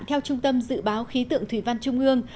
theo trung tâm dự báo khí tượng thủy văn trung ương